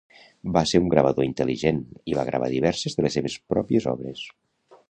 Va ser un gravador intel·ligent i va gravar diverses de les seves pròpies obres.